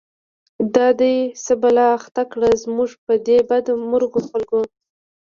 دا دی څه بلا اخته کړه، زمونږ په دی بد مرغوخلکو